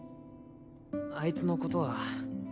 あいつのことは